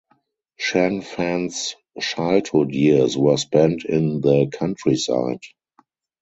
Shen Fan’s childhood years were spent in the countryside.